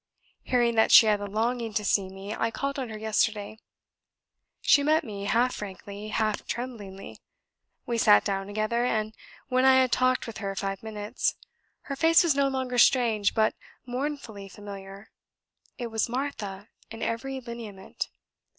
Hearing that she had a longing to see me, I called on her yesterday. ... She met me half frankly, half tremblingly; we sate down together, and when I had talked with her five minutes, her face was no longer strange, but mournfully familiar; it was Martha in every lineament.